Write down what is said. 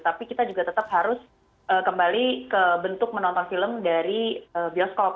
tapi kita juga tetap harus kembali ke bentuk menonton film dari bioskop